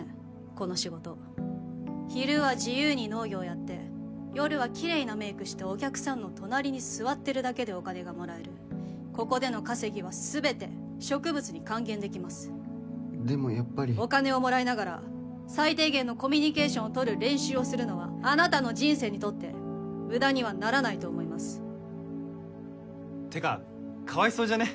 この仕事昼は自由に農業やって夜はキレイなメイクしてお客さんの隣に座ってるだけでお金がもらえるここでの稼ぎは全て植物に還元できますでもやっぱりお金をもらいながら最低限のコミュニケーションを取る練習をするのはあなたの人生にとってムダにはならないと思いますってかかわいそうじゃね？